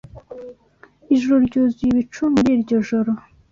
Ijuru ryuzuye ibicu muri iryo joro.